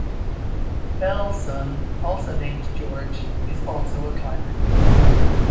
Bell's son, also named George, is also a climber.